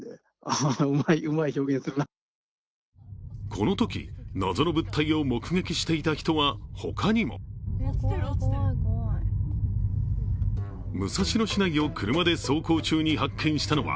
このとき謎の物体を目撃していた人はほかにも武蔵野市内を車で走行中に発見したのは、